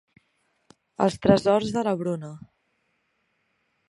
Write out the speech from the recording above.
Els tresors de la Bruna.